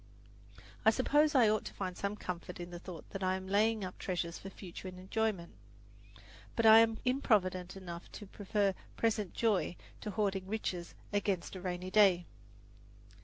I suppose I ought to find some comfort in the thought that I am laying up treasures for future enjoyment, but I am improvident enough to prefer present joy to hoarding riches against a rainy day.